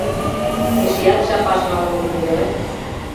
Эшеат шапашна уло гын веле?